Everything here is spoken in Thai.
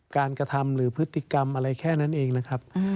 กระทำหรือพฤติกรรมอะไรแค่นั้นเองนะครับ